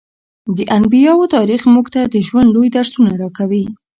د انبیاوو تاریخ موږ ته د ژوند لوی درسونه راکوي.